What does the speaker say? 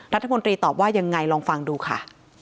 รัฐมนตรีตอบว่ายังไงลองฟังดูค่ะ